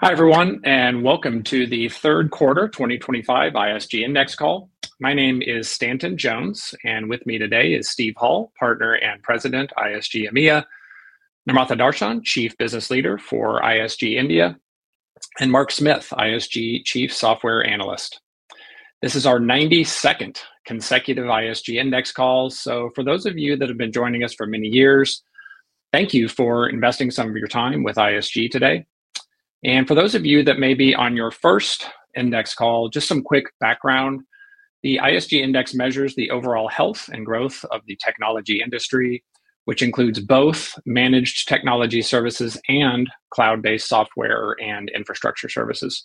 Hi everyone, and welcome to the third quarter 2025 ISG Index Call. My name is Stanton Jones, and with me today is Steve Hall, Partner and President, ISG EMEA, Namratha Dharshan, Chief Business Leader for ISG India, and Mark Smith, ISG Chief Software Analyst. This is our 92nd consecutive ISG Index Call. For those of you that have been joining us for many years, thank you for investing some of your time with ISG today. For those of you that may be on your first Index Call, just some quick background. The ISG Index measures the overall health and growth of the technology industry, which includes both managed technology services and cloud-based software and infrastructure services.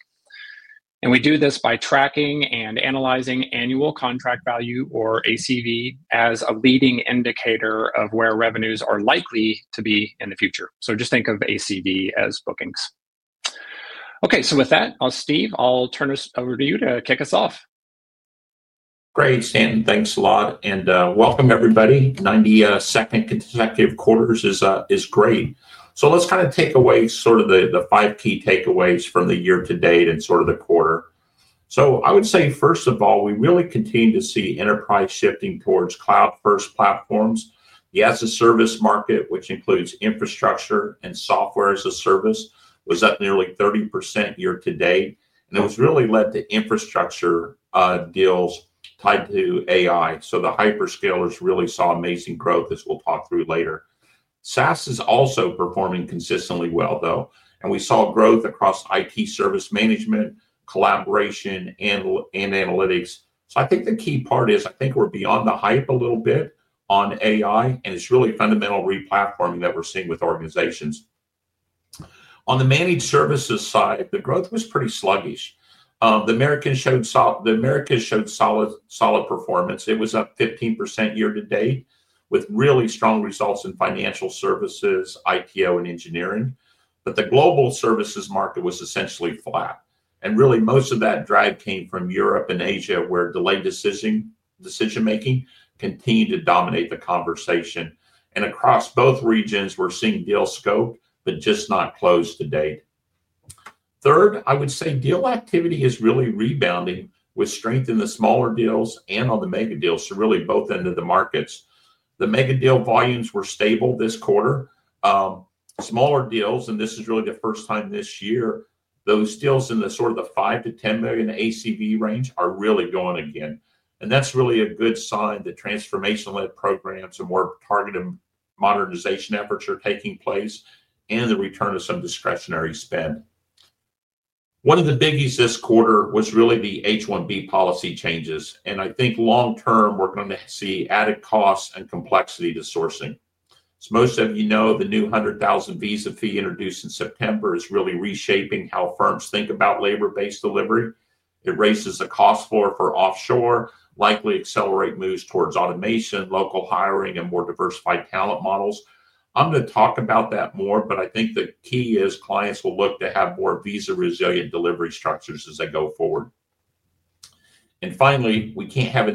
We do this by tracking and analyzing annual contract value, or ACV, as a leading indicator of where revenues are likely to be in the future. Just think of ACV as bookings. With that, Steve, I'll turn this over to you to kick us off. Great, Stanton, thanks a lot. And welcome, everybody. Ninety-second consecutive quarters is great. Let's kind of take away the five key takeaways from the year to date and the quarter. I would say first of all, we really continue to see enterprise shifting towards cloud-first platforms. The as-a-service market, which includes infrastructure and software as a service, was up nearly 30% year to date. It was really led to infrastructure deals tied to AI. The hyper scalers really saw amazing growth, as we'll talk through later. SaaS is also performing consistently well, though, and we saw growth across IT service management, collaboration, and analytics. I think the key part is I think we're beyond the hype a little bit on AI, and it's really fundamental replat forming that we're seeing with organizations. On the managed services side, the growth was pretty sluggish. The Americas showed solid performance. It was up 15% year to date with really strong results in financial services, ITO, and engineering. The global services market was essentially flat. Most of that drive came from EMEA and Asia, where delayed decision-making continued to dominate the conversation. Across both regions, we're seeing deal scope, but just not close to date. Third, I would say deal activity is really rebounding with strength in the smaller deals and on the mega deals, so really both ends of the markets. The mega deal volumes were stable this quarter. Smaller deals, and this is really the first time this year, those deals in the 5 million-10 million ACV range are really going again. That's really a good sign that transformation-led programs and more targeted modernization efforts are taking place, and the return of some discretionary spend. One of the biggies this quarter was really the H-1B policy changes. I think long-term, we're going to see added costs and complexity to sourcing. Most of you know the new $100,000 visa fee introduced in September is really reshaping how firms think about labor-based delivery. It raises the cost floor for offshore, likely accelerates moves towards automation, local hiring, and more diversified talent models. I'm going to talk about that more, but I think the key is clients will look to have more visa-resilient delivery structures as they go forward. Finally, we can't have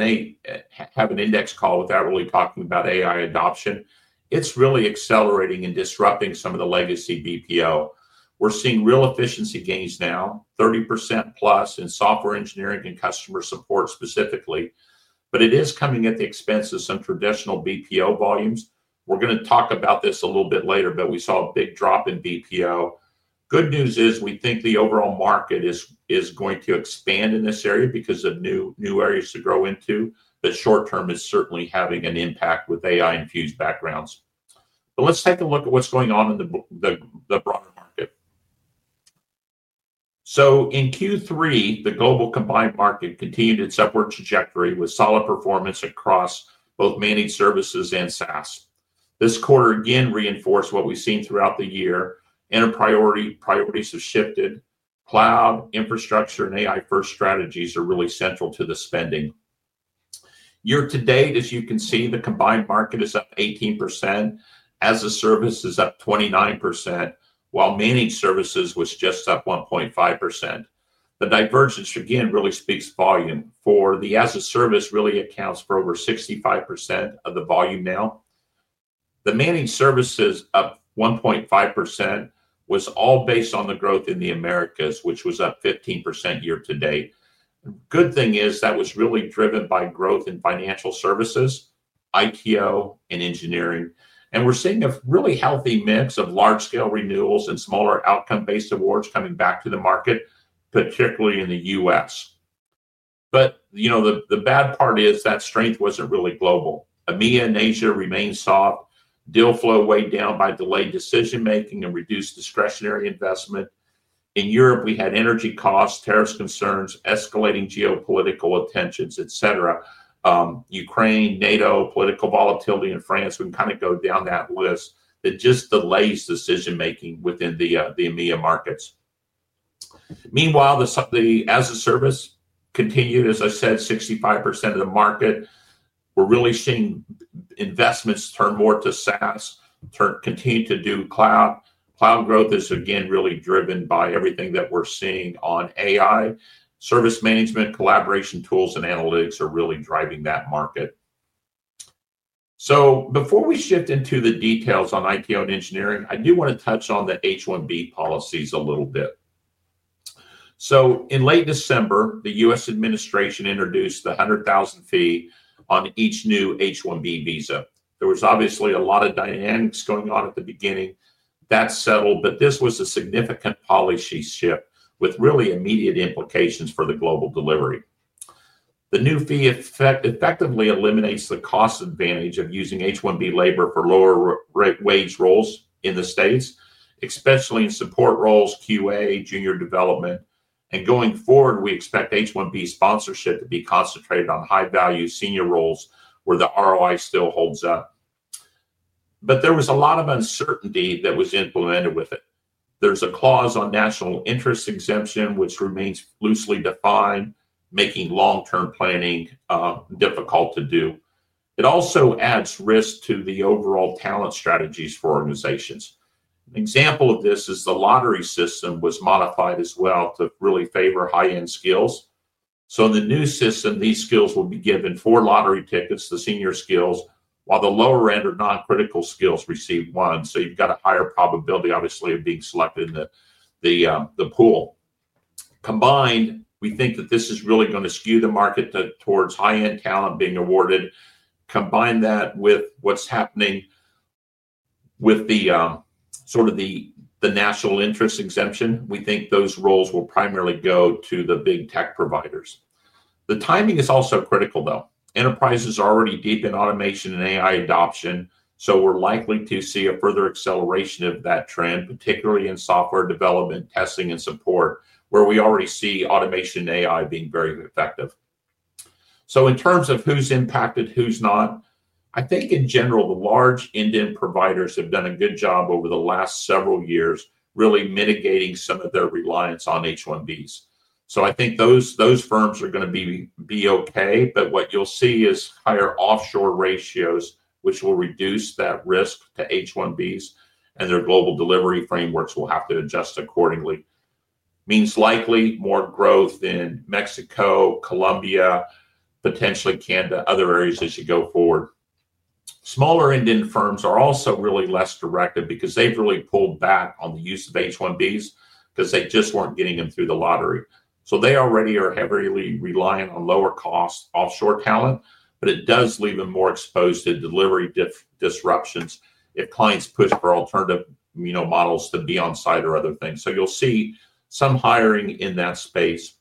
an index call without really talking about AI adoption. It's really accelerating and disrupting some of the legacy BPO. We're seeing real efficiency gains now, 30%+ in software engineering and customer support specifically. It is coming at the expense of some traditional BPO volumes. We're going to talk about this a little bit later, but we saw a big drop in BPO. The good news is we think the overall market is going to expand in this area because of new areas to grow into. Short-term, it's certainly having an impact with AI-infused backgrounds. Let's take a look at what's going on in the broader market. In Q3, the global combined market continued its upward trajectory with solid performance across both managed services and SaaS. This quarter again reinforced what we've seen throughout the year, and priorities have shifted. Cloud, infrastructure, and AI-first strategies are really central to the spending. Year to date, as you can see, the combined market is up 18%. As-a-service is up 29%, while managed services was just up 1.5%. The divergence again really speaks volumes. For the as-a-service, it really accounts for over 65% of the volume now. The managed services up 1.5% was all based on the growth in the Americas, which was up 15% year to date. The good thing is that was really driven by growth in financial services, ITO, and engineering. We're seeing a really healthy mix of large-scale renewals and smaller outcome-based awards coming back to the market, particularly in the U.S. The bad part is that strength wasn't really global. EMEA and Asia remain soft. Deal flow weighed down by delayed decision-making and reduced discretionary investment. In Europe, we had energy costs, tariff concerns, escalating geopolitical tensions, Ukraine, NATO, political volatility, and France. We can kind of go down that list that just delays decision-making within the EMEA markets. Meanwhile, the as-a-service continued, as I said, 65% of the market. We're really seeing investments turn more to SaaS, continue to do cloud. Cloud growth is again really driven by everything that we're seeing on AI. Service management, collaboration tools, and analytics are really driving that market. Before we shift into the details on ITO and engineering, I do want to touch on the H-1B policies a little bit. In late December, the U.S. administration introduced the $100,000 fee on each new H-1B visa. There was obviously a lot of dynamics going on at the beginning. That settled, this was a significant policy shift with really immediate implications for the global delivery. The new fee effectively eliminates the cost advantage of using H-1B labor for lower wage roles in the U.S., especially in support roles, QA, junior development. Going forward, we expect H-1B sponsorship to be concentrated on high-value senior roles where the ROI still holds up. There was a lot of uncertainty that was implemented with it. There's a clause on national interest exemption, which remains loosely defined, making long-term planning difficult to do. It also adds risk to the overall talent strategies for organizations. An example of this is the lottery system was modified as well to really favor high-end skills. In the new system, these skills will be given four lottery tickets, the senior skills, while the lower end or non-critical skills receive one. You've got a higher probability, obviously, of being selected in the pool. Combined, we think that this is really going to skew the market towards high-end talent being awarded. Combine that with what's happening with the national interest exemption. We think those roles will primarily go to the big tech providers. The timing is also critical. Enterprises are already deep in automation and AI adoption. We're likely to see a further acceleration of that trend, particularly in software development, testing, and support, where we already see automation and AI being very effective. In terms of who's impacted, who's not, I think in general, the large Indian providers have done a good job over the last several years, really mitigating some of their reliance on H-1Bs. I think those firms are going to be okay. What you'll see is higher offshore ratios, which will reduce that risk to H-1Bs, and their global delivery frameworks will have to adjust accordingly. It means likely more growth in Mexico, Colombia, potentially Canada, other areas as you go forward. Smaller Indian firms are also really less directed because they've really pulled back on the use of H-1Bs because they just weren't getting them through the lottery. They already are heavily reliant on lower cost offshore talent, but it does leave them more exposed to delivery disruptions if clients push for alternative models to be on site or other things. You'll see some hiring in that space.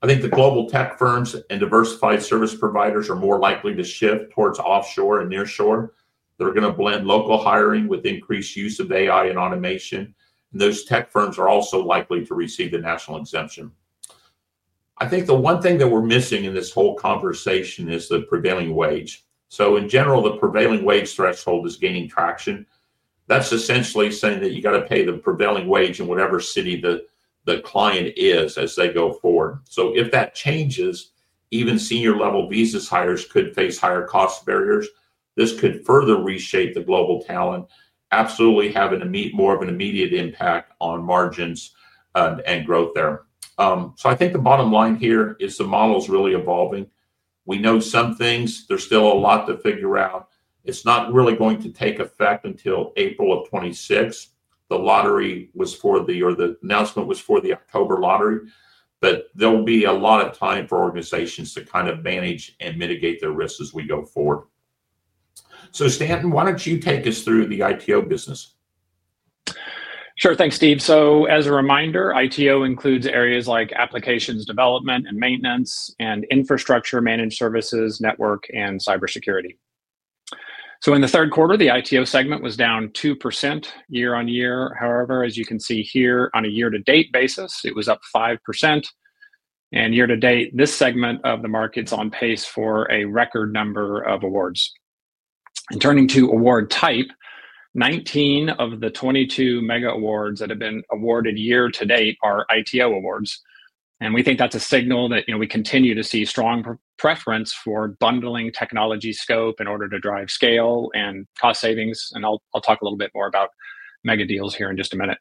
I think the global tech firms and diversified service providers are more likely to shift towards offshore and nearshore. They are going to blend local hiring with increased use of AI and automation. Those tech firms are also likely to receive the national exemption. I think the one thing that we are missing in this whole conversation is the prevailing wage. In general, the prevailing wage threshold is gaining traction. That is essentially saying that you have got to pay the prevailing wage in whatever city the client is as they go forward. If that changes, even senior level visa hires could face higher cost barriers. This could further reshape the global talent, absolutely having to meet more of an immediate impact on margins and growth there. I think the bottom line here is the model is really evolving. We know some things. There is still a lot to figure out. It is not really going to take effect until April of 2026. The announcement was for the October lottery. There will be a lot of time for organizations to kind of manage and mitigate their risks as we go forward. Stanton, why do you not take us through the ITO business? Sure, thanks, Steve. As a reminder, ITO includes areas like applications development and maintenance and infrastructure, managed services, network, and cybersecurity. In the third quarter, the ITO segment was down 2% year-on-year. However, as you can see here on a year-to-date basis, it was up 5%. Year to date, this segment of the market's on pace for a record number of awards. Turning to award type, 19 of the 22 mega awards that have been awarded year to date are ITO awards. We think that's a signal that we continue to see strong preference for bundling technology scope in order to drive scale and cost savings. I'll talk a little bit more about mega deals here in just a minute.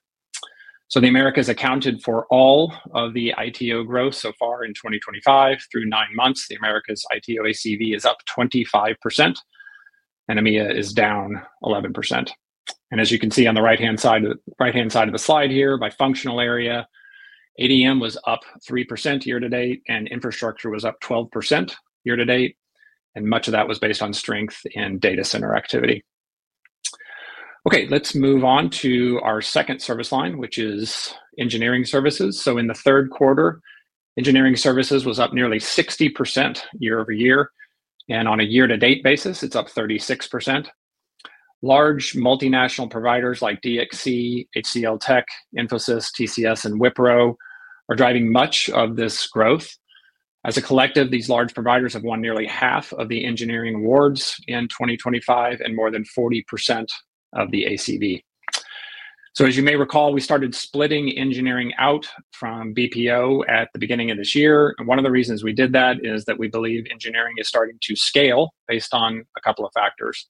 The Americas accounted for all of the ITO growth so far in 2025. Through nine months, the Americas ITO ACV is up 25%, and EMEA is down 11%. As you can see on the right-hand side of the slide here, by functional area, ADM was up 3% year to date, and infrastructure was up 12% year to date. Much of that was based on strength in data center activity. Let's move on to our second service line, which is engineering services. In the third quarter, engineering services was up nearly 60% year-over-year. On a year-to-date basis, it's up 36%. Large multinational providers like DXC, HCLTech, Infosys, TCS, and Wipro are driving much of this growth. As a collective, these large providers have won nearly half of the engineering awards in 2025 and more than 40% of the ACV. As you may recall, we started splitting engineering out from BPO at the beginning of this year. One of the reasons we did that is that we believe engineering is starting to scale based on a couple of factors.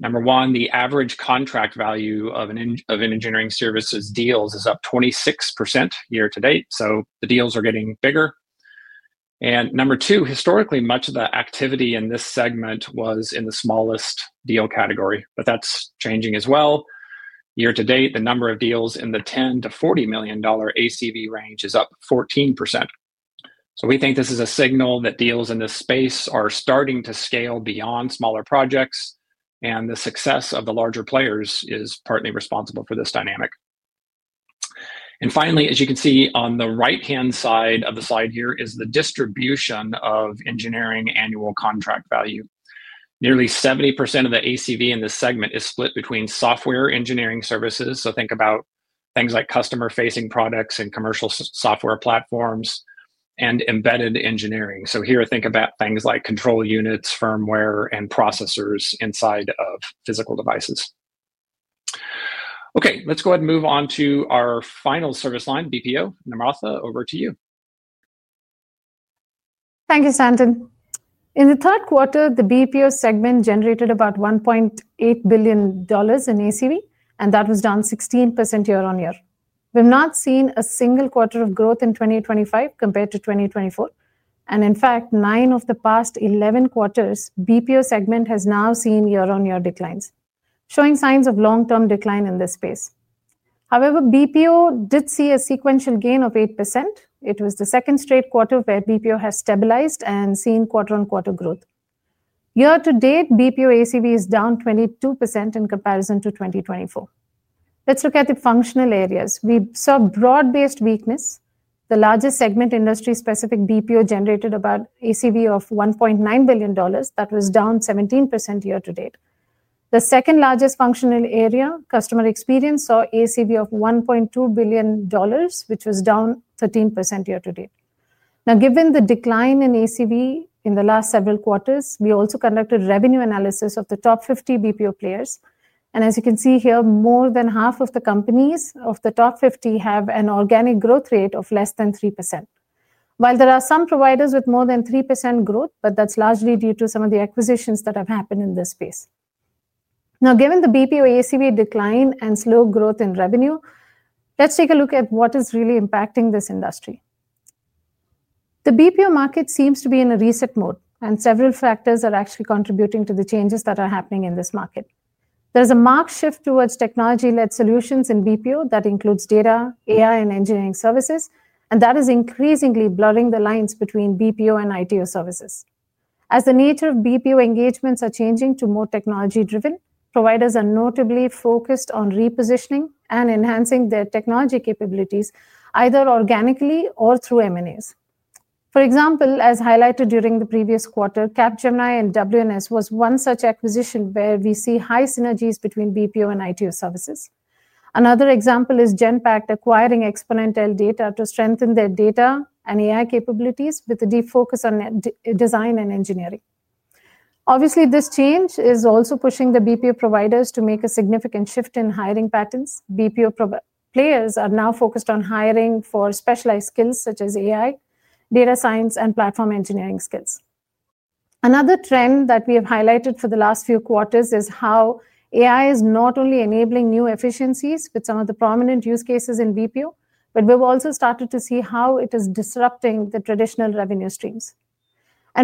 Number one, the average contract value of an engineering services deal is up 26% year to date, so the deals are getting bigger. Number two, historically, much of the activity in this segment was in the smallest deal category, but that's changing as well. Year-to-date, the number of deals in the $10 million-$40 million ACV range is up 14%. We think this is a signal that deals in this space are starting to scale beyond smaller projects, and the success of the larger players is partly responsible for this dynamic. Finally, as you can see on the right-hand side of the slide here is the distribution of engineering annual contract value. Nearly 70% of the ACV in this segment is split between software engineering services. Think about things like customer-facing products and commercial software platforms and embedded engineering. Here, think about things like control units, firmware, and processors inside of physical devices. Let's go ahead and move on to our final service line, BPO. Namratha, over to you. Thank you, Stanton. In the third quarter, the BPO segment generated about $1.8 billion in ACV, and that was down 16% year-on-year. We've not seen a single quarter of growth in 2025 compared to 2024. In fact, nine of the past 11 quarters, the BPO segment has now seen year-on-year declines, showing signs of long-term decline in this space. However, BPO did see a sequential gain of 8%. It was the second straight quarter where BPO has stabilized and seen quarter-on-quarter growth. Year-to-date, BPO ACV is down 22% in comparison to 2024. Let's look at the functional areas. We saw broad-based weakness. The largest segment, industry-specific BPO, generated about an ACV of $1.9 billion. That was down 17% year-to-date. The second largest functional area, customer experience, saw an ACV of $1.2 billion, which was down 13% year-to-date. Now, given the decline in ACV in the last several quarters, we also conducted a revenue analysis of the top 50 BPO players. As you can see here, more than half of the companies of the top 50 have an organic growth rate of less than 3%, while there are some providers with more than 3% growth, but that's largely due to some of the acquisitions that have happened in this space. Now, given the BPO ACV decline and slow growth in revenue, let's take a look at what is really impacting this industry. The BPO market seems to be in a reset mode, and several factors are actually contributing to the changes that are happening in this market. There's a marked shift towards technology-led solutions in BPO that includes data, AI, and engineering services, and that is increasingly blurring the lines between BPO and ITO services. As the nature of BPO engagements is changing to more technology-driven, providers are notably focused on repositioning and enhancing their technology capabilities, either organically or through M&A. For example, as highlighted during the previous quarter, Capgemini and WNS was one such acquisition where we see high synergies between BPO and ITO services. Another example is Genpact, acquiring XponentL Data to strengthen their data and AI capabilities with a deep focus on design and engineering. Obviously, this change is also pushing the BPO providers to make a significant shift in hiring patterns. BPO players are now focused on hiring for specialized skills such as AI, data science, and platform engineering skills. Another trend that we have highlighted for the last few quarters is how AI is not only enabling new efficiencies with some of the prominent use cases in BPO, but we've also started to see how it is disrupting the traditional revenue streams.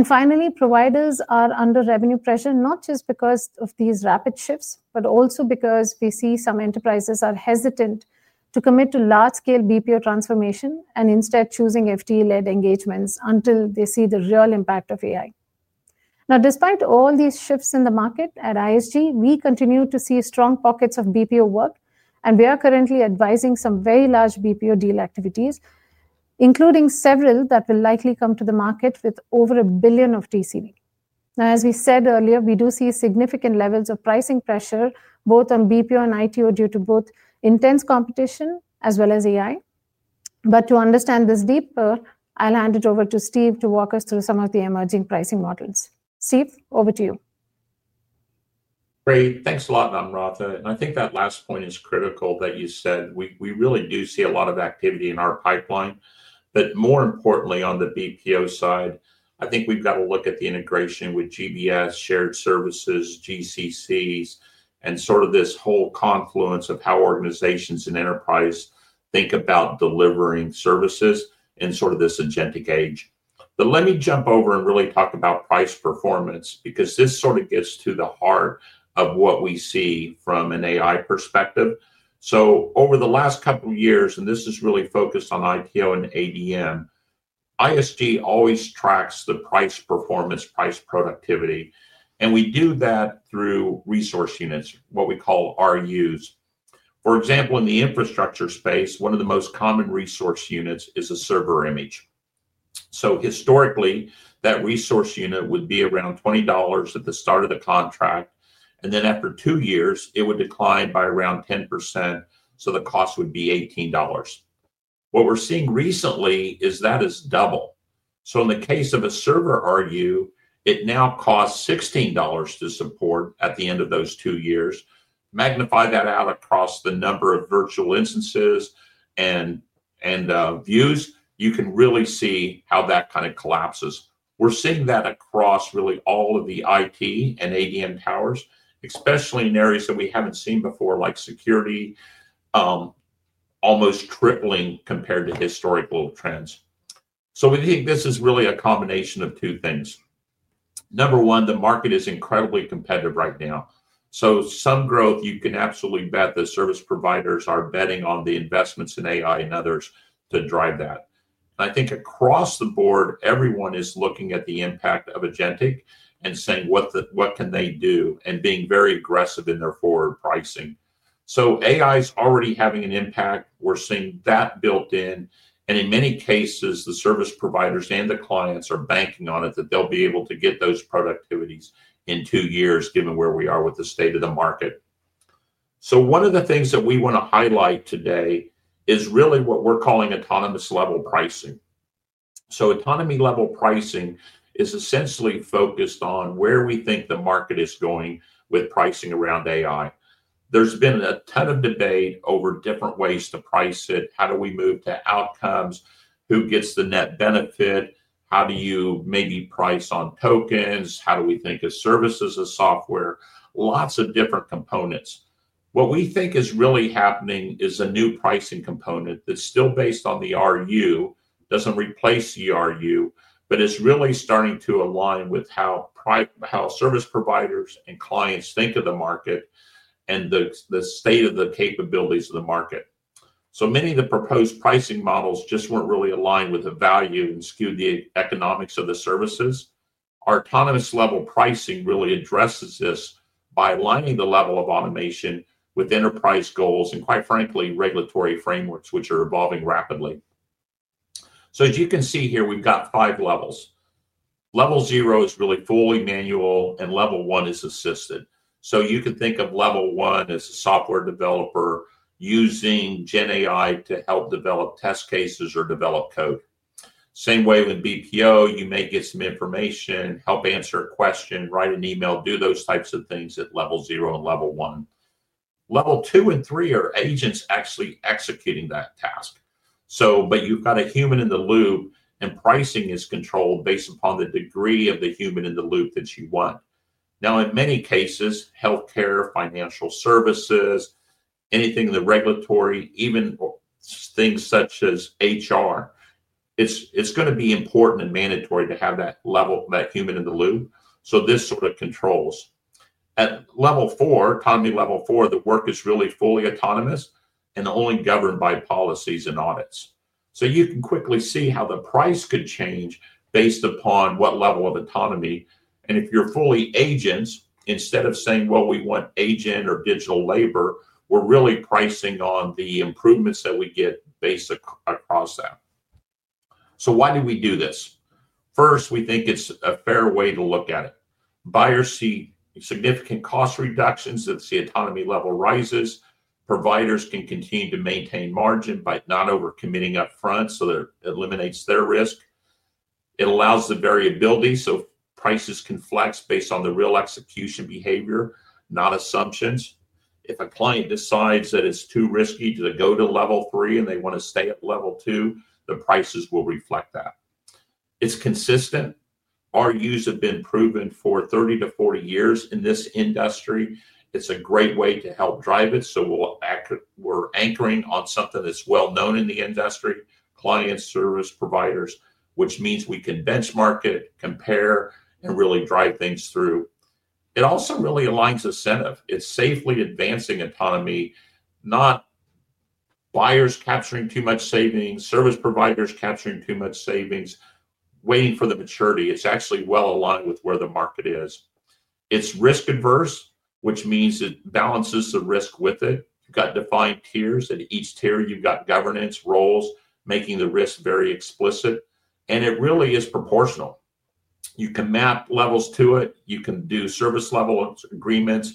Finally, providers are under revenue pressure, not just because of these rapid shifts, but also because we see some enterprises are hesitant to commit to large-scale BPO transformation and instead choosing FTE-led engagements until they see the real impact of AI. Now, despite all these shifts in the market at ISG, we continue to see strong pockets of BPO work, and we are currently advising some very large BPO deal activities, including several that will likely come to the market with over $1 billion of TC. As we said earlier, we do see significant levels of pricing pressure both on BPO and ITO due to both intense competition as well as AI. To understand this deeper, I'll hand it over to Steve to walk us through some of the emerging pricing models. Steve, over to you. Great, thanks a lot, Namratha. I think that last point is critical that you said. We really do see a lot of activity in our pipeline. More importantly, on the BPO side, I think we've got to look at the integration with GBS, shared services, GCCs, and sort of this whole confluence of how organizations and enterprise think about delivering services in sort of this agentic age. Let me jump over and really talk about price performance because this sort of gets to the heart of what we see from an AI perspective. Over the last couple of years, and this is really focused on ITO and ADM, ISG always tracks the price performance, price productivity. We do that through resource units, what we call RUs. For example, in the infrastructure space, one of the most common resource units is a server image. Historically, that resource unit would be around $20 at the start of the contract, and then after two years, it would decline by around 10%. The cost would be $18. What we're seeing recently is that is double. In the case of a server RU, it now costs $16 to support at the end of those two years. Magnify that out across the number of virtual instances and views, you can really see how that kind of collapses. We're seeing that across really all of the IT and ADM towers, especially in areas that we haven't seen before, like security, almost tripling compared to historical trends. We think this is really a combination of two things. Number one, the market is incredibly competitive right now. Some growth, you can absolutely bet the service providers are betting on the investments in AI and others to drive that. I think across the board, everyone is looking at the impact of agentic and saying, what can they do, and being very aggressive in their forward pricing. AI is already having an impact. We're seeing that built in, and in many cases, the service providers and the clients are banking on it, that they'll be able to get those productivities in two years, given where we are with the state of the market. One of the things that we want to highlight today is really what we're calling autonomous level pricing. Autonomy level pricing is essentially focused on where we think the market is going with pricing around AI. There's been a ton of debate over different ways to price it. How do we move to outcomes? Who gets the net benefit? How do you maybe price on tokens? How do we think of services and software? Lots of different components. What we think is really happening is a new pricing component that's still based on the RU, doesn't replace the RU, but it's really starting to align with how service providers and clients think of the market and the state of the capabilities of the market. Many of the proposed pricing models just weren't really aligned with the value and skewed the economics of the services. Our autonomous level pricing really addresses this by aligning the level of automation with enterprise goals and, quite frankly, regulatory frameworks which are evolving rapidly. As you can see here, we've got five levels. Level zero is really fully manual, and level one is assisted. You could think of level one as a software developer using GenAI to help develop test cases or develop code. In the same way with BPO, you may get some information, help answer a question, write an email, do those types of things at level zero and level one. Levels two and three are agents actually executing that task, but you've got a human in the loop, and pricing is controlled based upon the degree of the human in the loop that you want. In many cases—healthcare, financial services, anything in the regulatory, even things such as HR—it's going to be important and mandatory to have that level, that human in the loop. This sort of controls it. At level four, autonomy level four, the work is really fully autonomous and only governed by policies and audits. You can quickly see how the price could change based upon what level of autonomy. If you're fully agents, instead of saying, well, we want agent or digital labor, we're really pricing on the improvements that we get based across that. Why do we do this? First, we think it's a fair way to look at it. Buyers see significant cost reductions if the autonomy level rises. Providers can continue to maintain margin by not overcommitting upfront, so it eliminates their risk. It allows the variability, so prices can flex based on the real execution behavior, not assumptions. If a client decides that it's too risky to go to level three and they want to stay at level two, the prices will reflect that. It's consistent. RUs have been proven for 30-40 years in this industry. It's a great way to help drive it. We're anchoring on something that's well known in the industry, client service providers, which means we can benchmark it, compare, and really drive things through. It also really aligns incentive. It's safely advancing autonomy, not buyers capturing too much savings, service providers capturing too much savings, waiting for the maturity. It's actually well aligned with where the market is. It's risk-averse, which means it balances the risk with it. You've got defined tiers, and each tier you've got governance roles making the risk very explicit, and it really is proportional. You can map levels to it. You can do service level agreements.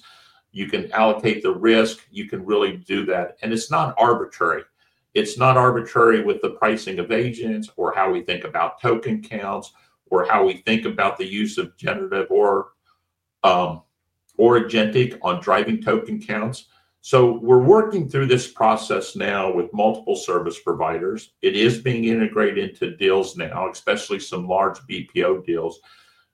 You can allocate the risk. You can really do that. It's not arbitrary. It's not arbitrary with the pricing of agents or how we think about token counts or how we think about the use of generative or agentic on driving token counts. We're working through this process now with multiple service providers. It is being integrated into deals now, especially some large BPO deals.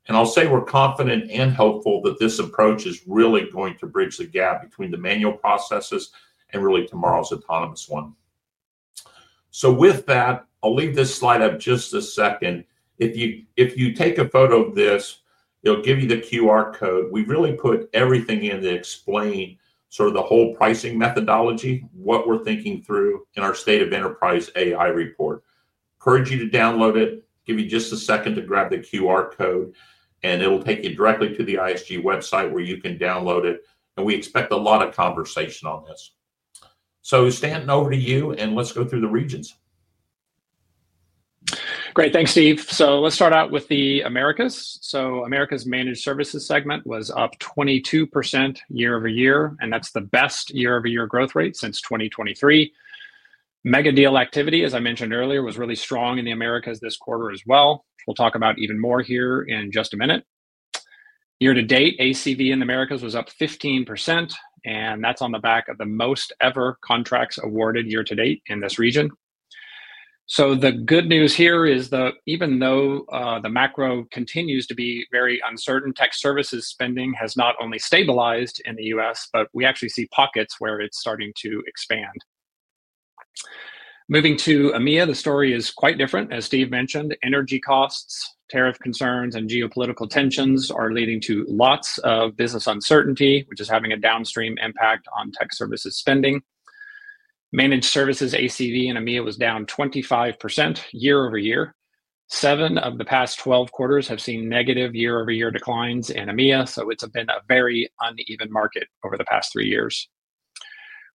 We're confident and hopeful that this approach is really going to bridge the gap between the manual processes and really tomorrow's autonomous one. I'll leave this slide up just a second. If you take a photo of this, it'll give you the QR code. We've really put everything in to explain the whole pricing methodology, what we're thinking through in our State of Enterprise AI report. I encourage you to download it. Give me just a second to grab the QR code, and it'll take you directly to the ISG website where you can download it. We expect a lot of conversation on this. Stanton, over to you, and let's go through the regions. Great, thanks, Steve. Let's start out with the Americas. America's managed services segment was up 22% year over year, and that's the best year-over-year growth rate since 2023. Mega deal activity, as I mentioned earlier, was really strong in the Americas this quarter as well. We'll talk about even more here in just a minute. Year to date, ACV in the Americas was up 15%, and that's on the back of the most ever contracts awarded year to date in this region. The good news here is that even though the macro continues to be very uncertain, tech services spending has not only stabilized in the U.S., but we actually see pockets where it's starting to expand. Moving to EMEA, the story is quite different. As Steve mentioned, energy costs, tariff concerns, and geopolitical tensions are leading to lots of business uncertainty, which is having a downstream impact on tech services spending. Managed services ACV in EMEA was down 25% year-over-year. Seven of the past 12 quarters have seen negative year-over-year declines in EMEA, so it's been a very uneven market over the past three years.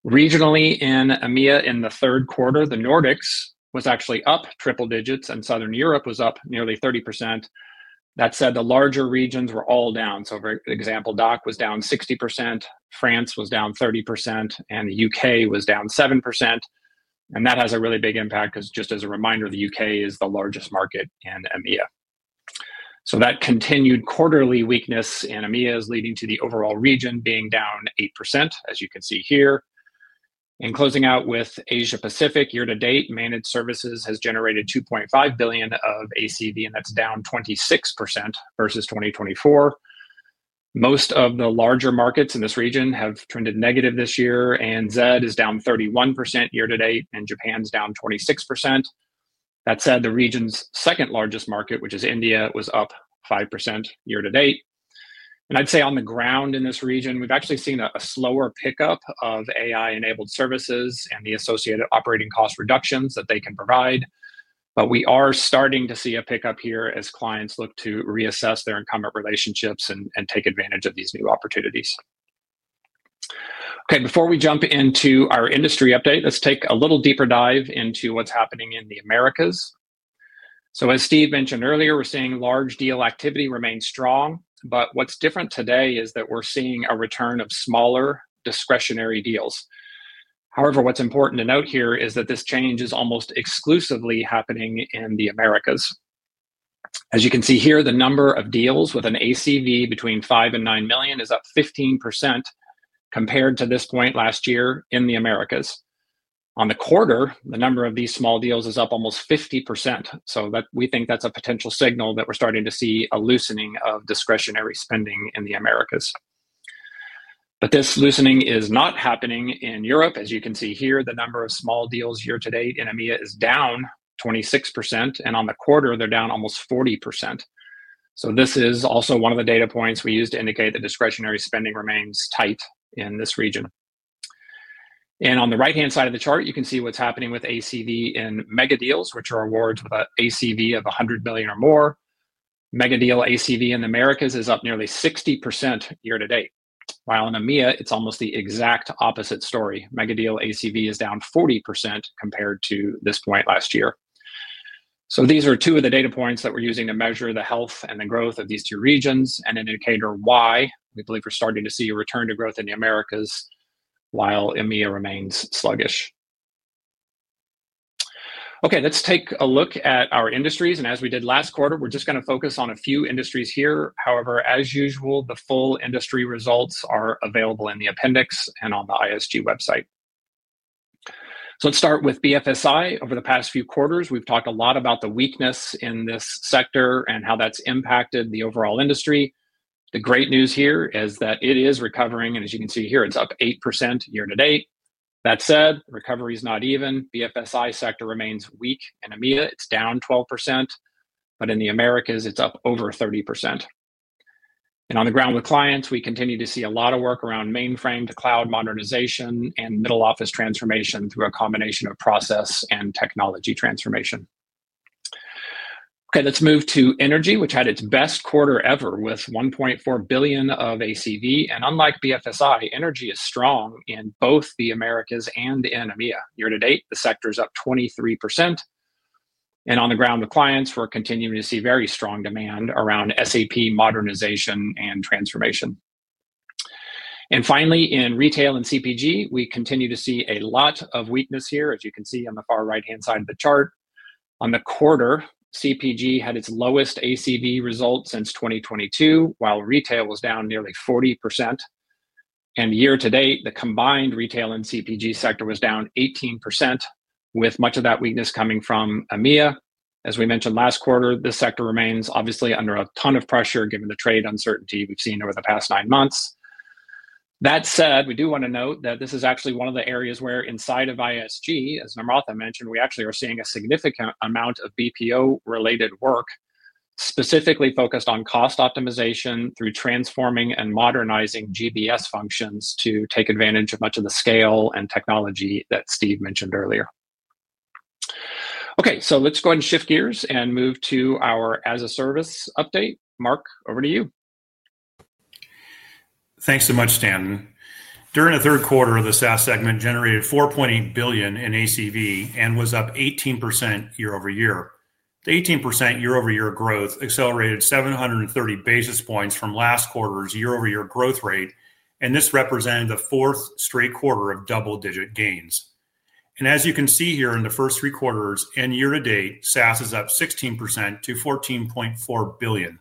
Regionally, in EMEA in the third quarter, the Nordics was actually up triple digits, and Southern Europe was up nearly 30%. That said, the larger regions were all down. For example, DACH was down 60%, France was down 30%, and the U.K. was down 7%. That has a really big impact because just as a reminder, the U.K. is the largest market in EMEA. That continued quarterly weakness in EMEA is leading to the overall region being down 8%, as you can see here. Closing out with Asia-Pacific, year to date, managed services has generated $2.5 billion of ACV, and that's down 26% versus 2024. Most of the larger markets in this region have trended negative this year, and Zed is down 31% year-to-date, and Japan's down 26%. The region's second largest market, which is India, was up 5% year-to-date. I'd say on the ground in this region, we've actually seen a slower pickup of AI-enabled services and the associated operating cost reductions that they can provide. We are starting to see a pickup here as clients look to reassess their incumbent relationships and take advantage of these new opportunities. Okay, before we jump into our industry update, let's take a little deeper dive into what's happening in the Americas. As Steve mentioned earlier, we're seeing large deal activity remain strong, but what's different today is that we're seeing a return of smaller discretionary deals. However, what's important to note here is that this change is almost exclusively happening in the Americas. As you can see here, the number of deals with an ACV between $5 million and $9 million is up 15% compared to this point last year in the Americas. On the quarter, the number of these small deals is up almost 50%. We think that's a potential signal that we're starting to see a loosening of discretionary spending in the Americas. This loosening is not happening in Europe. As you can see here, the number of small deals year-to-date in EMEA is down 26%, and on the quarter, they're down almost 40%. This is also one of the data points we use to indicate that discretionary spending remains tight in this region. On the right-hand side of the chart, you can see what's happening with ACV in mega deals, which are awards with an ACV of $100 million or more. Mega deal ACV in the Americas is up nearly 60% year-to-date while in EMEA, it's almost the exact opposite story. Mega deal ACV is down 40% compared to this point last year. These are two of the data points that we're using to measure the health and the growth of these two regions and an indicator why we believe we're starting to see a return to growth in the Americas, while EMEA remains sluggish. Let's take a look at our industries. As we did last quarter, we're just going to focus on a few industries here. However, as usual, the full industry results are available in the appendix and on the ISG website. Let's start with BFSI. Over the past few quarters, we've talked a lot about the weakness in this sector and how that's impacted the overall industry. The great news here is that it is recovering, and as you can see here, it's up 8% year-to-date. That said, recovery is not even. The BFSI sector remains weak. In EMEA, it's down 12%, but in the Americas, it's up over 30%. On the ground with clients, we continue to see a lot of work around mainframe to cloud modernization and middle office transformation through a combination of process and technology transformation. Let's move to energy, which had its best quarter ever with $1.4 billion of ACV. Unlike BFSI, energy is strong in both the Americas and in EMEA. Year-to-date, the sector is up 23%. On the ground with clients, we're continuing to see very strong demand around SAP modernization and transformation. Finally, in retail and CPG, we continue to see a lot of weakness here, as you can see on the far right-hand side of the chart. On the quarter, CPG had its lowest ACV result since 2022, while retail was down nearly 40%. Year-to-date, the combined retail and CPG sector was down 18%, with much of that weakness coming from EMEA. As we mentioned last quarter, this sector remains obviously under a ton of pressure given the trade uncertainty we've seen over the past nine months. That said, we do want to note that this is actually one of the areas where inside of ISG, as Namratha mentioned, we actually are seeing a significant amount of BPO-related work, specifically focused on cost optimization through transforming and modernizing GBS functions to take advantage of much of the scale and technology that Steve mentioned earlier. Okay, let's go ahead and shift gears and move to our as-a-service update. Mark, over to you. Thanks so much, Stanton. During the third quarter, the SaaS segment generated $4.8 billion in ACV and was up 18% year-over-year. The 18% year-over-year growth accelerated 730 basis points from last quarter's year-over-year growth rate, and this represented the fourth straight quarter of double-digit gains. As you can see here in the first three quarters, and year to date, SaaS is up 16% to $14.4 billion.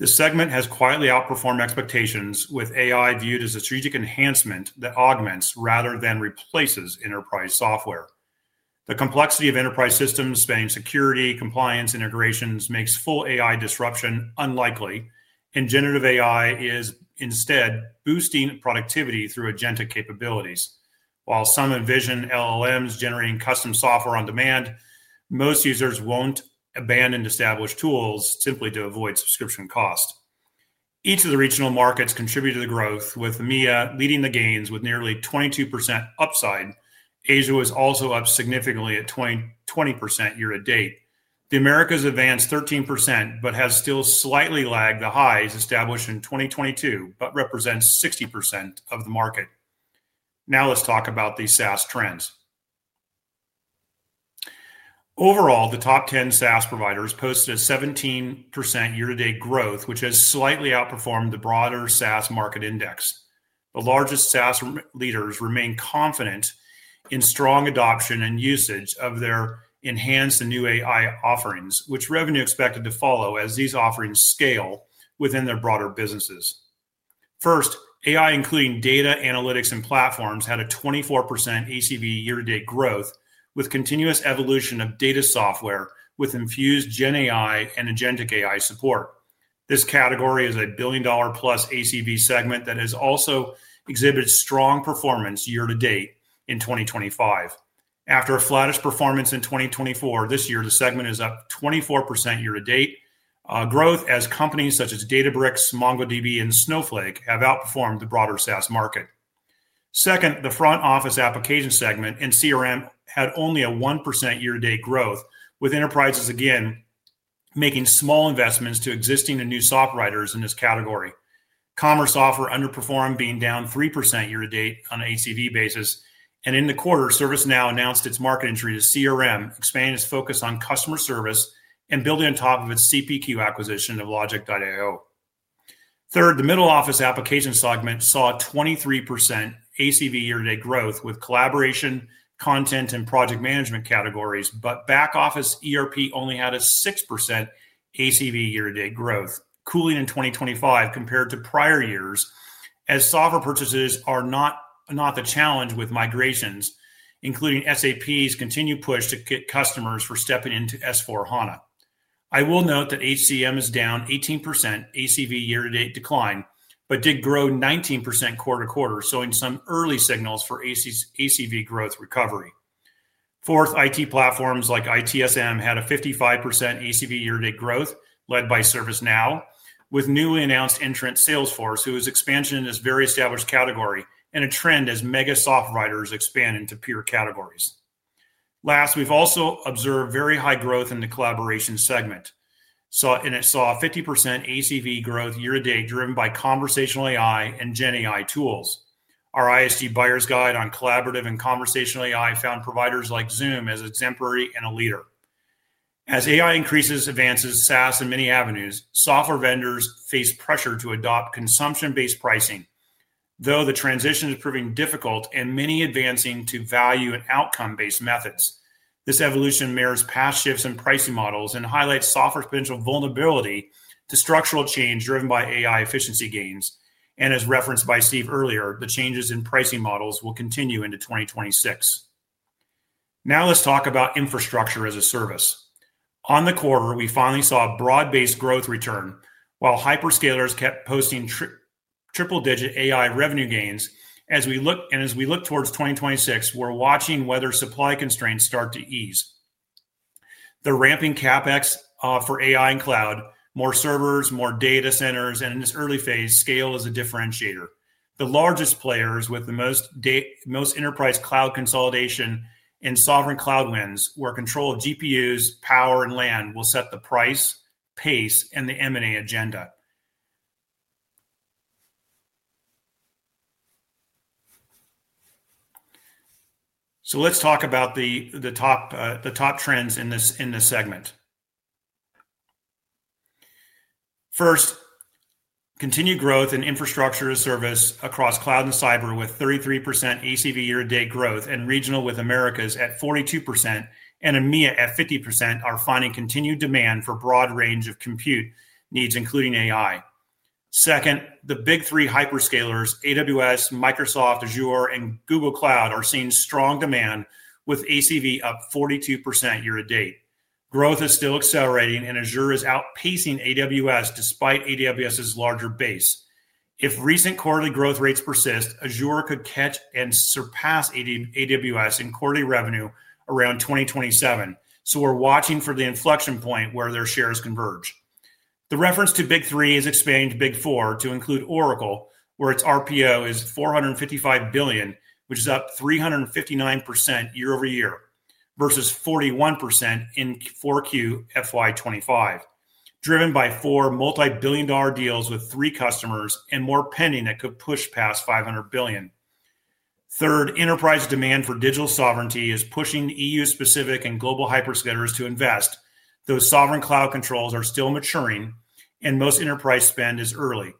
This segment has quietly outperformed expectations with AI viewed as a strategic enhancement that augments rather than replaces enterprise software. The complexity of enterprise systems spanning security, compliance, and integrations makes full AI disruption unlikely, and generative AI is instead boosting productivity through agentic capabilities. While some envision LLMs generating custom software on demand, most users won't abandon established tools simply to avoid subscription cost. Each of the regional markets contributed to the growth, with EMEA leading the gains with nearly 22% upside. Asia was also up significantly at 20% year to date. The Americas advanced 13% but has still slightly lagged the highs established in 2022 and represents 60% of the market. Now let's talk about the SaaS trends. Overall, the top 10 SaaS providers posted a 17% year-to-date growth, which has slightly outperformed the broader SaaS market index. The largest SaaS leaders remain confident in strong adoption and usage of their enhanced new AI offerings, which revenue is expected to follow as these offerings scale within their broader businesses. First, AI, including data, analytics, and platforms, had a 24% ACV year-to-date growth, with continuous evolution of data software with infused GenAI and Agentic AI support. This category is a billion-dollar plus ACV segment that has also exhibited strong performance year to date in 2025. After a flattish performance in 2024, this year, the segment is up 24% year to date, growth as companies such as Databricks, MongoDB, and Snowflake have outperformed the broader SaaS market. Second, the front office application segment and CRM had only a 1% year-to-date growth, with enterprises again making small investments to existing and new software providers in this category. Commerce software underperformed, being down 3% year-to-date on an ACV basis. In the quarter, ServiceNow announced its market entry to CRM, expanding its focus on customer service and building on top of its CPQ acquisition of Logic.io. Third, the middle office applications segment saw a 23% ACV year-to-date growth with collaboration, content, and project management categories, but back office ERP only had a 6% ACV year-to-date growth, cooling in 2025 compared to prior years, as software purchases are not the challenge with migrations, including SAP's continued push to get customers for stepping into S/4HANA. I will note that HCM is down 18% ACV year-to-date decline, but did grow 19% quarter to quarter, showing some early signals for ACV growth recovery. Fourth, IT platforms like ITSM had a 55% ACV year-to-date growth, led by ServiceNow, with newly announced entrant Salesforce, who has expanded in this very established category, and a trend as mega software writers expand into peer categories. Last, we've also observed very high growth in the collaboration segment. It saw a 50% ACV growth year-to-date driven by conversational AI and GenAI tools. Our ISG Buyers Guide for collaborative and conversational AI found providers like Zoom as a temporary and a leader. As AI increases advances SaaS in many avenues, software vendors face pressure to adopt consumption-based pricing, though the transition is proving difficult and many advancing to value and outcome-based methods. This evolution mirrors past shifts in pricing models and highlights software's potential vulnerability to structural change driven by AI efficiency gains. As referenced by Steve earlier, the changes in pricing models will continue into 2026. Now let's talk about infrastructure as a service. On the quarter, we finally saw a broad-based growth return, while hyperscalers kept posting triple-digit AI revenue gains. As we look towards 2026, we're watching whether supply constraints start to ease. The ramping CapEx for AI and cloud, more servers, more data centers, and in this early phase, scale is a differentiator. The largest players with the most enterprise cloud consolidation and sovereign cloud wins where control of GPUs, power, and LAN will set the price, pace, and the M&A agenda. Let's talk about the top trends in this segment. First, continued growth in infrastructure as a service across cloud and cyber with 33% ACV year-to-date growth and regional with Americas at 42% and EMEA at 50% are finding continued demand for a broad range of compute needs, including AI. Second, the big three hyperscalers, AWS, Microsoft Azure, and Google Cloud are seeing strong demand with ACV up 42% year-to-date. Growth is still accelerating, and Azure is outpacing AWS despite AWS's larger base. If recent quarterly growth rates persist, Azure could catch and surpass AWS in quarterly revenue around 2027. We're watching for the inflection point where their shares converge. The reference to big three is expanding to big four to include Oracle, where its RPO is $455 billion, which is up 359% year-over-year versus 41% in Q4 FY25, driven by four multi-billion dollar deals with three customers and more pending that could push past $500 billion. Third, enterprise demand for digital sovereignty is pushing EU-specific and global hyperscalers to invest. Those sovereign cloud controls are still maturing, and most enterprise spend is early.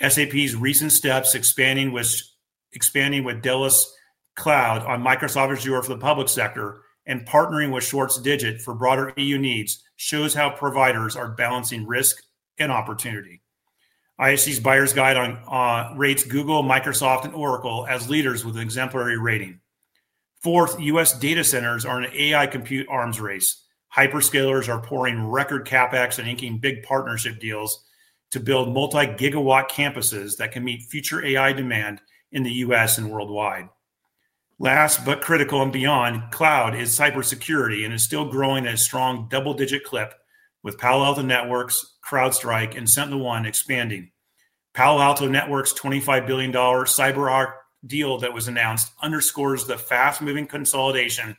SAP's recent steps expanding with Delos Cloud on Microsoft Azure for the public sector and partnering with Shorts Digit for broader EU needs shows how providers are balancing risk and opportunity. ISG's buyer's guide rates Google, Microsoft, and Oracle as leaders with an exemplary rating. Fourth, U.S. data centers are an AI compute arms race. Hyperscalers are pouring record CapEx and inking big partnership deals to build multi-gigawatt campuses that can meet future AI demand in the U.S. and worldwide. Last but critical and beyond, cloud is cybersecurity and is still growing at a strong double-digit clip with Palo Alto Networks, CrowdStrike, and SentinelOne expanding. Palo Alto Networks' $25 billion CyberArk deal that was announced underscores the fast-moving consolidation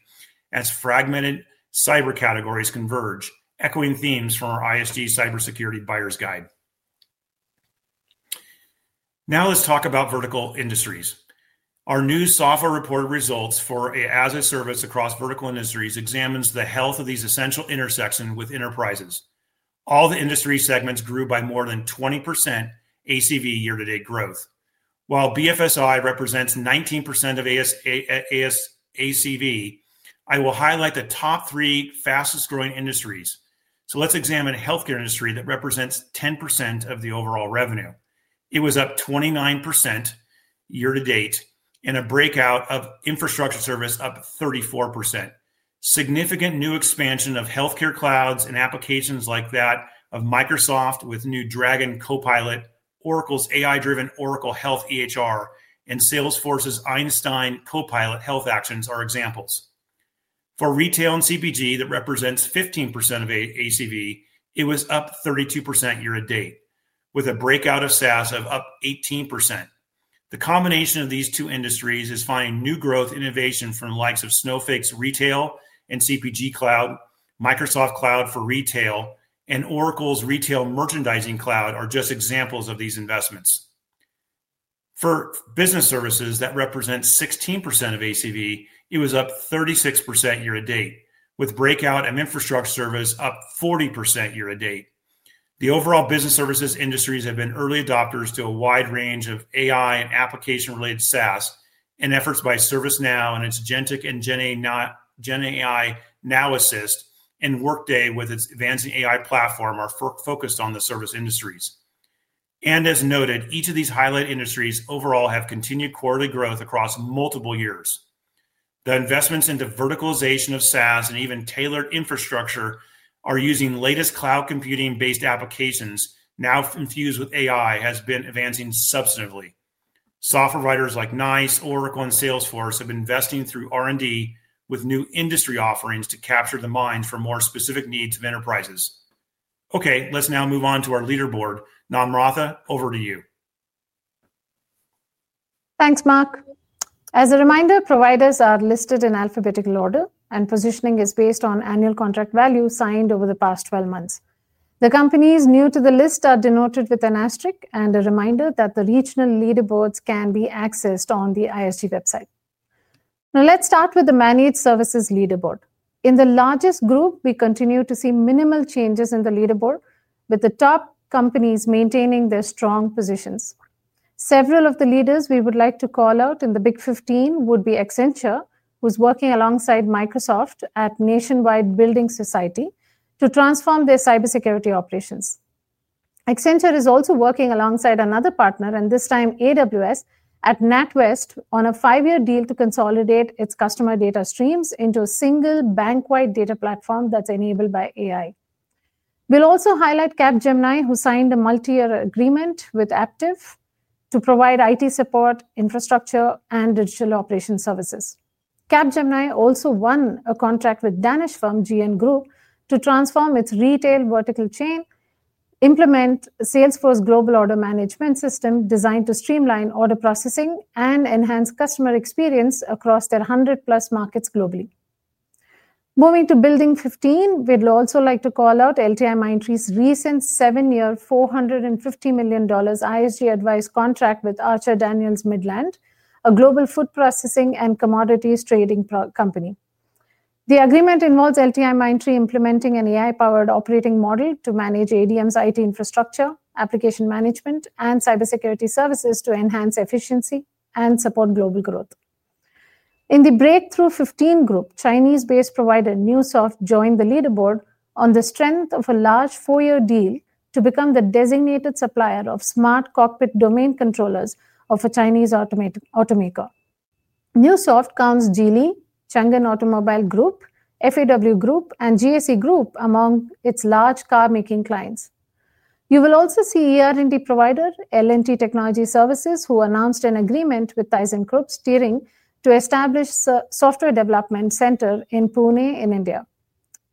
as fragmented cyber categories converge, echoing themes from our ISG cybersecurity buyer's guide. Now let's talk about vertical industries. Our new software report results for an as-a-service across vertical industries examine the health of these essential intersections with enterprises. All the industry segments grew by more than 20% ACV year-to-date growth. While BFSI represents 19% of ACV, I will highlight the top three fastest growing industries. Let's examine the healthcare industry that represents 10% of the overall revenue. It was up 29% year-to-date in a breakout of infrastructure service up 34%. Significant new expansion of healthcare clouds and applications like that of Microsoft with new Dragon Copilot, Oracle's AI-driven Oracle Health EHR, and Salesforce's Einstein Copilot Health Actions are examples. For retail and CPG that represents 15% of ACV, it was up 32% year to date with a breakout of SaaS of up 18%. The combination of these two industries is finding new growth innovation from the likes of Snowflake's retail and CPG cloud, Microsoft Cloud for Retail, and Oracle's Retail Merchandising Cloud are just examples of these investments. For business services that represent 16% of ACV, it was up 36% year-to-date with breakout and infrastructure service up 40% year-to-date. The overall business services industries have been early adopters to a wide range of AI and application-related SaaS and efforts by ServiceNow and its GenTech and GenAI Now Assist and Workday with its advancing AI platform are focused on the service industries. Each of these highlight industries overall has continued quarterly growth across multiple years. The investments into verticalization of SaaS and even tailored infrastructure are using latest cloud computing-based applications now infused with AI has been advancing substantively. Software writers like NiCE, Oracle, and Salesforce have been investing through R&D with new industry offerings to capture the minds for more specific needs of enterprises. Okay, let's now move on to our leaderboard. Namratha, over to you. Thanks, Mark. As a reminder, providers are listed in alphabetical order, and positioning is based on annual contract value signed over the past 12 months. The companies new to the list are denoted with an asterisk, and a reminder that the regional leaderboards can be accessed on the ISG website. Now let's start with the managed services leaderboard. In the largest group, we continue to see minimal changes in the leaderboard, with the top companies maintaining their strong positions. Several of the leaders we would like to call out in the Big 15 would be Accenture, who's working alongside Microsoft at Nationwide Building Society to transform their cybersecurity operations. Accenture is also working alongside another partner, and this time AWS at NatWest, on a five-year deal to consolidate its customer data streams into a single bank-wide data platform that's enabled by AI. We'll also highlight Capgemini, who signed a multi-year agreement with Aptiv to provide IT support, infrastructure, and digital operations services. Capgemini also won a contract with Danish firm GN Group to transform its retail vertical chain, implement Salesforce Global Order Management System designed to streamline order processing and enhance customer experience across their 100+ markets globally. Moving to Building 15, we'd also like to call out LTIMindtree's recent seven-year $450 million ISG-advised contract with Archer Daniels Midland, a global food processing and commodities trading company. The agreement involves LTIMindtree implementing an AI-powered operating model to manage ADM's IT infrastructure, application management, and cybersecurity services to enhance efficiency and support global growth. In the Breakthrough 15 group, Chinese-based provider NeuSoft joined the leaderboard on the strength of a large four-year deal to become the designated supplier of smart cockpit domain controllers of a Chinese automaker. NeuSoft counts Geely, Changan Automobile Group, FAW Group, and GAC Group among its large car-making clients. You will also see ER&D provider L&T Technology Services, who announced an agreement with Tyson Group Steering to establish a software development center in Pune in India.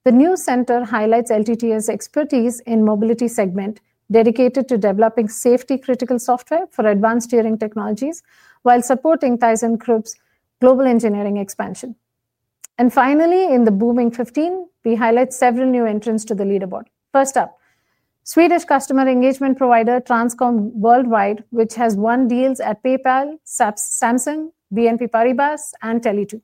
The new center highlights LTT's expertise in the mobility segment, dedicated to developing safety-critical software for advanced steering technologies while supporting Tyson Group's global engineering expansion. Finally, in the Booming 15, we highlight several new entrants to the leaderboard. First up, Swedish customer engagement provider Transcom WorldWide, which has won deals at PayPal, Samsung, BNP Paribas, and Teletube.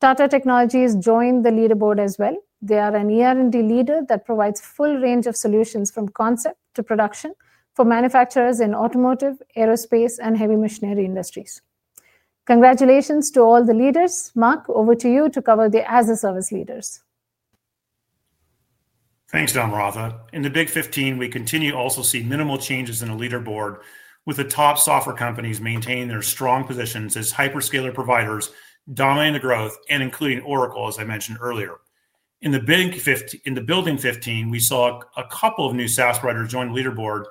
Tata Technologies joined the leaderboard as well. They are an ER&D leader that provides a full range of solutions from concept to production for manufacturers in automotive, aerospace, and heavy machinery industries. Congratulations to all the leaders. Mark, over to you to cover the as-a-service leaders. Thanks, Namratha. In the Big 15, we continue to also see minimal changes in the leaderboard, with the top software companies maintaining their strong positions as hyperscaler providers dominating the growth and including Oracle, as I mentioned earlier. In the Building 15, we saw a couple of new SaaS providers join the leaderboard,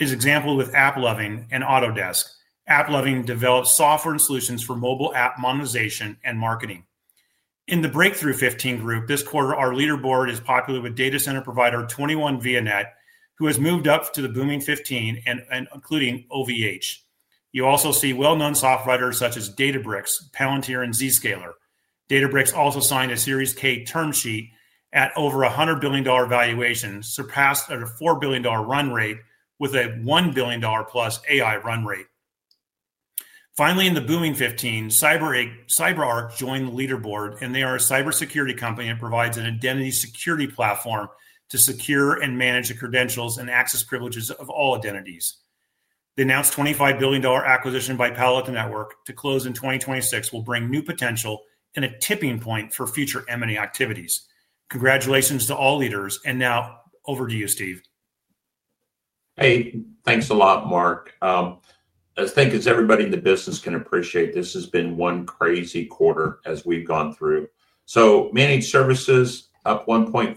as examples with AppLovin and Autodesk. AppLovin developed software and solutions for mobile app monetization and marketing. In the Breakthrough 15 group, this quarter, our leaderboard is popular with data center provider 21Vianet, who has moved up to the Booming 15 and including OVH. You also see well-known software providers such as Databricks, Palantir, and Zscaler. Databricks also signed a Series K term sheet at over $100 billion valuation, surpassed at a $4 billion run rate with a $1+ billion AI run rate. Finally, in the Booming 15, CyberArk joined the leaderboard, and they are a cybersecurity company that provides an identity security platform to secure and manage the credentials and access privileges of all identities. The announced $25 billion acquisition by Palo Alto Networks to close in 2026 will bring new potential and a tipping point for future M&A activities. Congratulations to all leaders, and now over to you, Steve. Thanks a lot, Mark. I think as everybody in the business can appreciate, this has been one crazy quarter as we've gone through. Managed services up 1.5%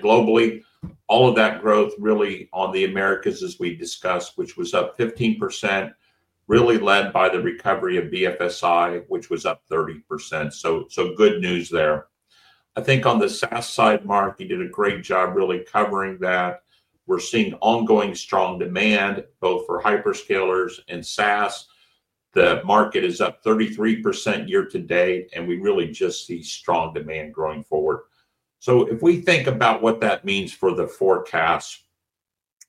globally. All of that growth really on the Americas, as we discussed, which was up 15%, really led by the recovery of BFSI, which was up 30%. Good news there. I think on the SaaS side, Mark, you did a great job really covering that. We're seeing ongoing strong demand both for hyperscalers and SaaS. The market is up 33% year-to-date, and we really just see strong demand going forward. If we think about what that means for the forecast,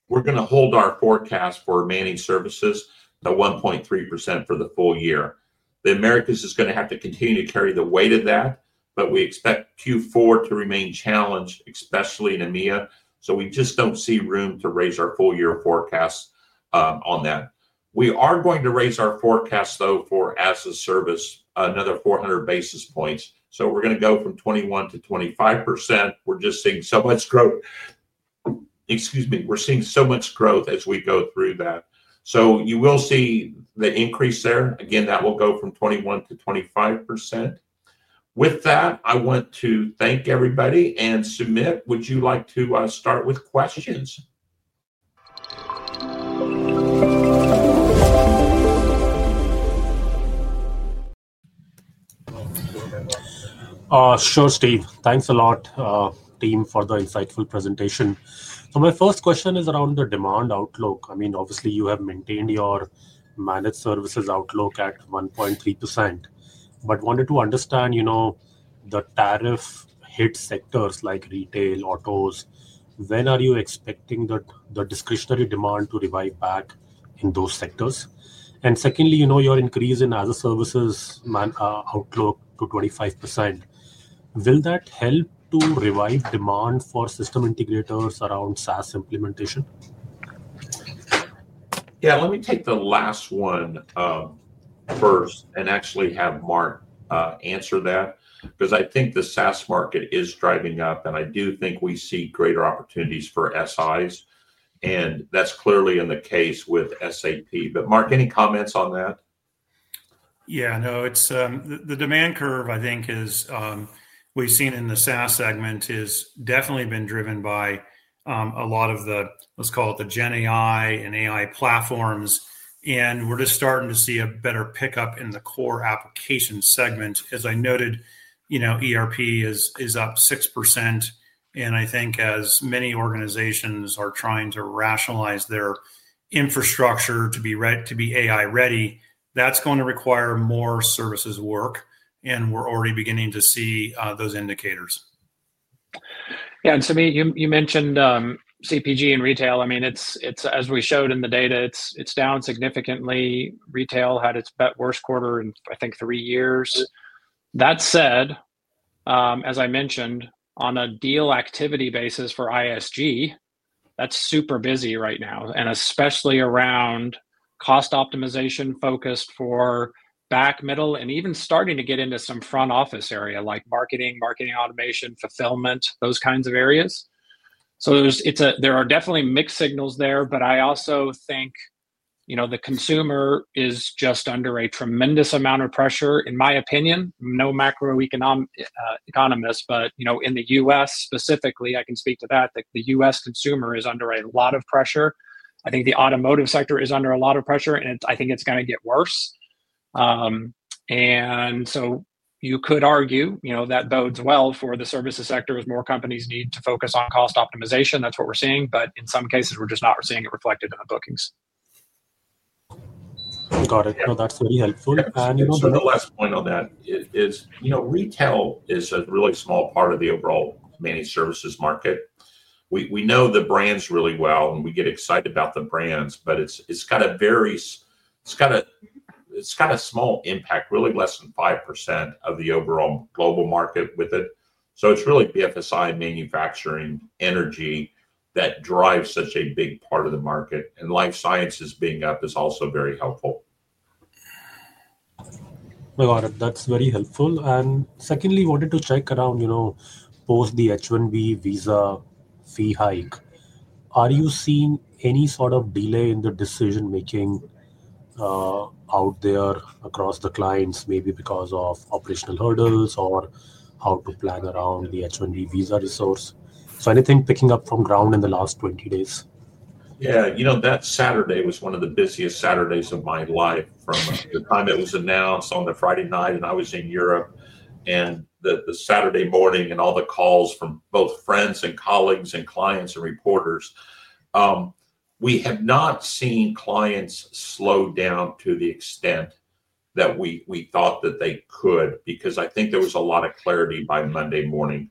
we're going to hold our forecast for managed services at 1.3% for the full year. The Americas is going to have to continue to carry the weight of that, but we expect Q4 to remain challenged, especially in EMEA. We just don't see room to raise our full-year forecast on that. We are going to raise our forecast, though, for as-a-service, another 400 basis points. We're going to go from 21% to 25%. We're just seeing so much growth. Excuse me. We're seeing so much growth as we go through that. You will see the increase there. Again, that will go from 21% to 25%. With that, I want to thank everybody and submit. Would you like to start with questions? Sure, Steve. Thanks a lot, team, for the insightful presentation. My first question is around the demand outlook. Obviously, you have maintained your managed services outlook at 1.3%, but I wanted to understand, you know, the tariff-hit sectors like retail and autos, when are you expecting the discretionary demand to revive back in those sectors? Secondly, your increase in as-a-service outlook to 25%, will that help to revive demand for system integrators around SaaS implementation? Yeah, let me take the last one first and actually have Mark answer that because I think the SaaS market is driving up, and I do think we see greater opportunities for SIs, and that's clearly in the case with SAP. Mark, any comments on that? Yeah, no, the demand curve, I think, as we've seen in the SaaS segment, has definitely been driven by a lot of the, let's call it the GenAI and AI platforms. We're just starting to see a better pickup in the core application segments. As I noted, ERP is up 6%, and I think as many organizations are trying to rationalize their infrastructure to be AI-ready, that's going to require more services work. We're already beginning to see those indicators. You mentioned CPG and retail. As we showed in the data, it's down significantly. Retail had its worst quarter in, I think, three years. That said, as I mentioned, on a deal activity basis for ISG, that's super busy right now, especially around cost optimization focused for back, middle, and even starting to get into some front office area like marketing, marketing automation, fulfillment, those kinds of areas. There are definitely mixed signals there, but I also think the consumer is just under a tremendous amount of pressure. In my opinion, I'm no macroeconomist, but in the U.S. specifically, I can speak to that. The U.S. consumer is under a lot of pressure. I think the automotive sector is under a lot of pressure, and I think it's going to get worse. You could argue that bodes well for the services sector as more companies need to focus on cost optimization. That's what we're seeing, but in some cases, we're just not seeing it reflected in the bookings. Got it. No, that's really helpful. The last point on that is, you know, retail is a really small part of the overall managed services market. We know the brands really well, and we get excited about the brands, but it's got a very, it's got a small impact, really less than 5% of the overall global market with it. It's really BFSI and manufacturing energy that drives such a big part of the market. Life sciences being up is also very helpful. That's very helpful. Secondly, I wanted to check around, you know, post the H-1B visa fee hike. Are you seeing any sort of delay in the decision-making out there across the clients, maybe because of operational hurdles or how to plan around the H-1B visa resource? Is anything picking up from ground in the last 20 days? Yeah, you know, that Saturday was one of the busiest Saturdays of my life from the time it was announced on the Friday night. I was in Europe, and the Saturday morning and all the calls from both friends and colleagues and clients and reporters. We have not seen clients slow down to the extent that we thought that they could because I think there was a lot of clarity by Monday morning.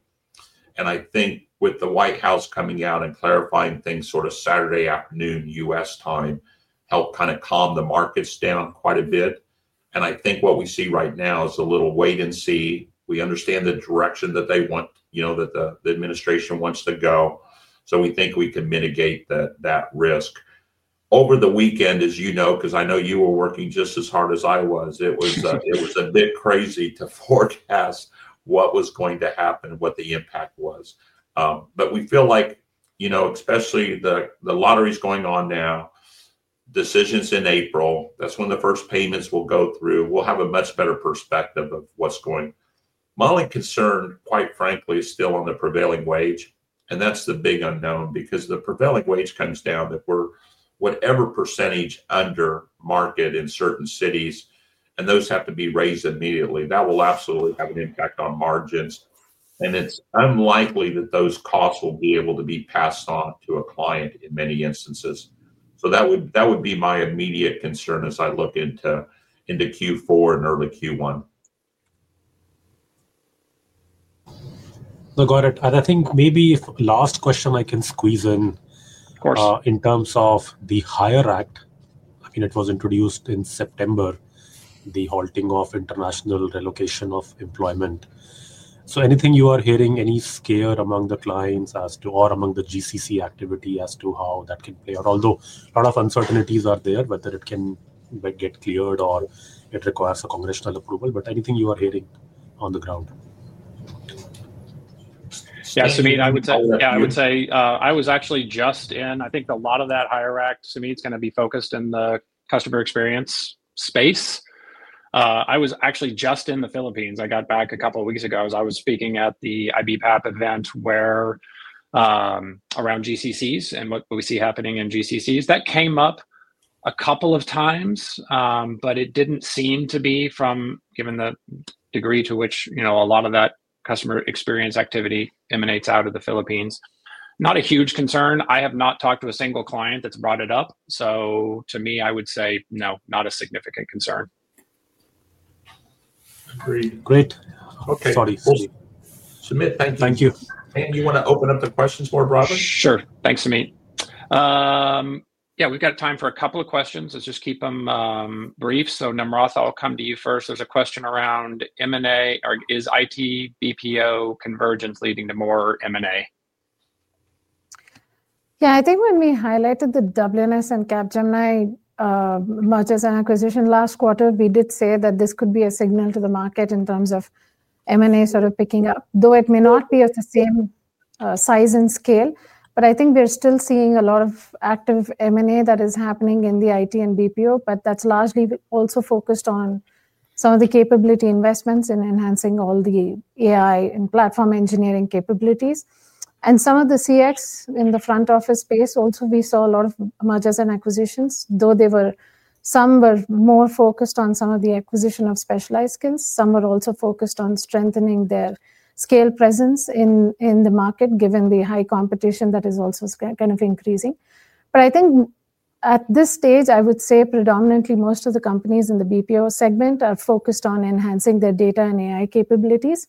I think with the White House coming out and clarifying things sort of Saturday afternoon U.S. time helped kind of calm the markets down quite a bit. I think what we see right now is a little wait and see. We understand the direction that they want, you know, that the administration wants to go. We think we can mitigate that risk. Over the weekend, as you know, because I know you were working just as hard as I was, it was a bit crazy to forecast what was going to happen and what the impact was. We feel like, you know, especially the lottery is going on now, decisions in April, that's when the first payments will go through. We'll have a much better perspective of what's going on. My only concern, quite frankly, is still on the prevailing wage, and that's the big unknown because the prevailing wage comes down if we're whatever % under market in certain cities, and those have to be raised immediately. That will absolutely have an impact on margins, and it's unlikely that those costs will be able to be passed on to a client in many instances. That would be my immediate concern as I look into Q4 and early Q1. Now, got it, I think maybe if last question I can squeeze in. Of course. In terms of the HIRE Act, I mean, it was introduced in September, the halting of international relocation of employment. Anything you are hearing, any scare among the clients as to, or among the GCC activity as to how that can play out, although a lot of uncertainties are there, whether it can get cleared or it requires a congressional approval, anything you are hearing on the ground? Yeah, I would say I was actually just in, I think a lot of that HIRE Act, to me, is going to be focused in the customer experience space. I was actually just in the Philippines. I got back a couple of weeks ago as I was speaking at the IBPAP event where around GCCs and what we see happening in GCCs. That came up a couple of times, but it didn't seem to be, given the degree to which a lot of that customer experience activity emanates out of the Philippines, not a huge concern. I have not talked to a single client that's brought it up. To me, I would say no, not a significant concern. Great. Great. Okay. Thank you. Do you want to open up the questions more broadly? Sure. Thanks, Sumeet. Yeah, we've got time for a couple of questions. Let's just keep them brief. Namratha, I'll come to you first. There's a question around M&A or is IT BPO convergence leading to more M&A? Yeah, I think when we highlighted the WNS and Capgemini mergers and acquisitions last quarter, we did say that this could be a signal to the market in terms of M&A sort of picking up, though it may not be of the same size and scale. I think we're still seeing a lot of active M&A that is happening in the IT and BPO, but that's largely also focused on some of the capability investments in enhancing all the AI and platform engineering capabilities. Some of the CX in the front office space also saw a lot of mergers and acquisitions, though some were more focused on some of the acquisition of specialized skills. Some were also focused on strengthening their scale presence in the market, given the high competition that is also kind of increasing. At this stage, I would say predominantly most of the companies in the BPO segment are focused on enhancing their data and AI capabilities.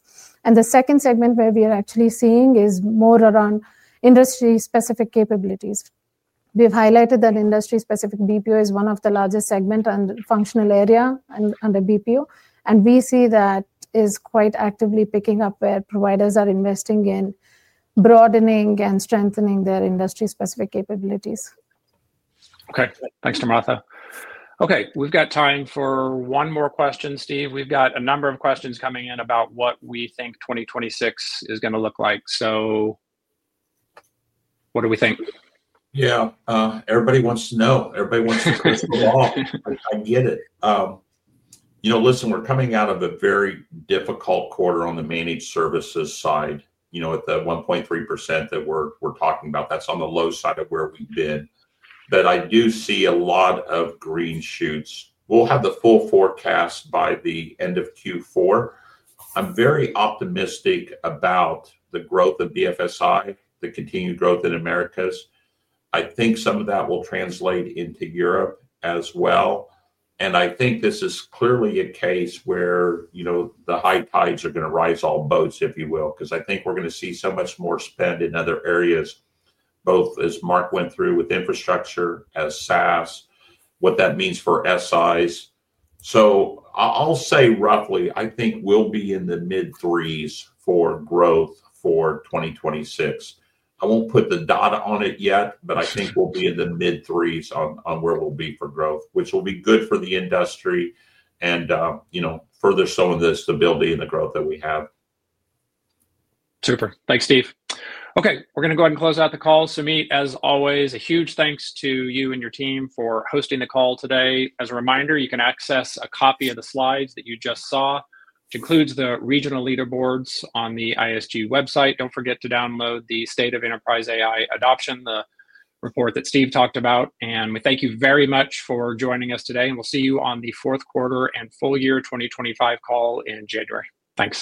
The second segment where we are actually seeing is more around industry-specific capabilities. We've highlighted that industry-specific BPO is one of the largest segments under functional area under BPO, and we see that is quite actively picking up where providers are investing in broadening and strengthening their industry-specific capabilities. Okay, thanks, Namratha. We've got time for one more question, Steve. We've got a number of questions coming in about what we think 2026 is going to look like. What do we think? Yeah, everybody wants to know. Everybody wants to kiss the ball. I get it. Listen, we're coming out of a very difficult quarter on the managed services side, at the 1.3% that we're talking about. That's on the low side of where we've been, but I do see a lot of green shoots. We'll have the full forecast by the end of Q4. I'm very optimistic about the growth of BFSI, the continued growth in Americas. I think some of that will translate into Europe as well. I think this is clearly a case where the high tides are going to rise all boats, if you will, because I think we're going to see so much more spend in other areas, both as Mark went through with infrastructure, as SaaS, what that means for SIs. I'll say roughly, I think we'll be in the mid-3% for growth for 2026. I won't put the data on it yet, but I think we'll be in the mid-3% on where we'll be for growth, which will be good for the industry and further selling the stability and the growth that we have. Super. Thanks, Steve. Okay, we're going to go ahead and close out the call. Sumeet, as always, a huge thanks to you and your team for hosting the call today. As a reminder, you can access a copy of the slides that you just saw, which includes the regional leaderboards on the ISG website. Don't forget to download the State of Enterprise AI Adoption, the report that Steve talked about. We thank you very much for joining us today, and we'll see you on the fourth quarter and full year 2025 call in January. Thanks.